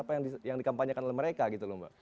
apa yang dikampanyekan oleh mereka gitu loh mbak